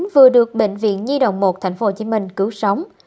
vừa được bệnh viện nhi đồng một tp hcm cứu sống